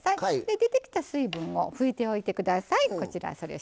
出てきた水分を拭いておいてください。